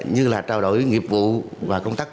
như là trao đổi nghiệp vụ và công tác